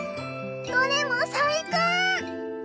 どれも最高！